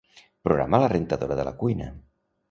Programa la rentadora de la cuina.